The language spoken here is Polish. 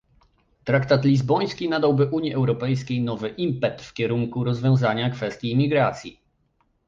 Traktat lizboński nadałby Unii Europejskiej nowy impet w kierunku rozwiązania kwestii imigracji